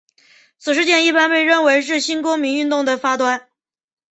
此事件一般被认为是新公民运动的发端。